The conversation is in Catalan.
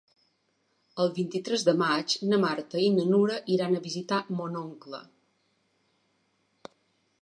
El vint-i-tres de maig na Marta i na Nura iran a visitar mon oncle.